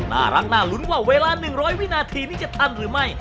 น่ารักน่าลุ้นว่าเวลา๑๐๐วินาทีนี้จะทันหรือไม่